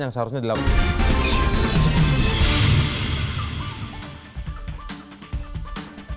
yang seharusnya dilakukan